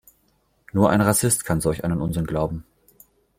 Nur ein Rassist kann solch einen Unsinn glauben.